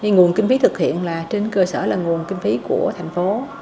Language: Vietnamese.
nguồn kinh phí thực hiện trên cơ sở là nguồn kinh phí của thành phố